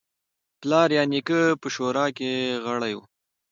پلار یا نیکه په شورا کې غړی و.